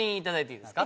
いいですか？